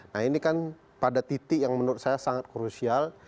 nah ini kan pada titik yang menurut saya sangat krusial